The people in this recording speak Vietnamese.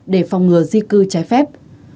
để phòng ngừa di cư trái phép